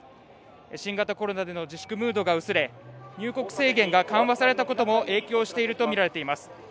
新型コロナでの自粛ムードが薄れ入国制限が緩和されたことも影響しているとみられます。